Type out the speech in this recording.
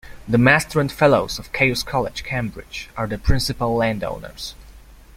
The Master and Fellows of Caius College, Cambridge, are the principal landowners.